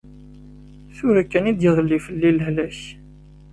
Tura kan i d-yeɣli fell-i lehlak.